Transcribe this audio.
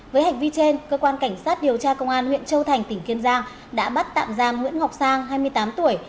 với hành vi trên cơ quan cảnh sát điều tra công an huyện châu thành tỉnh kiên giang đã bắt tạm giam nguyễn ngọc sang hai mươi tám tuổi